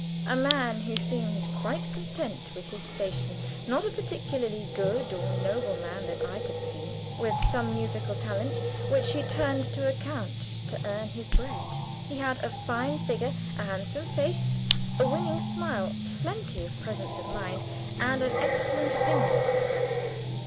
A man who seemed quite content with his station not a particularly good or noble man that I could see; with some musical talent which he turned to account to earn his bread. He had a fine figure, a handsome face, a winning smile, plenty of presence of mind, and an excellent opinion of himself.